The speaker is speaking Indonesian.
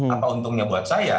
apa untungnya buat saya